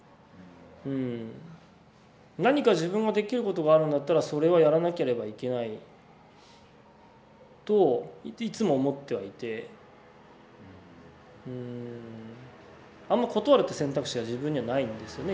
何か自分ができることがあるんだったらそれはやらなければいけないといつも思ってはいてあんま断るって選択肢は自分にはないんですよね